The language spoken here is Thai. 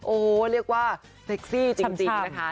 โอ้โหเรียกว่าเซ็กซี่จำ